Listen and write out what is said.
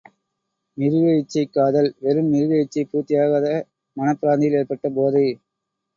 மிருக இச்சை காதல், வெறும் மிருக இச்சை பூர்த்தியாகாத மனப் பிராந்தியில் ஏற்பட்ட போதை.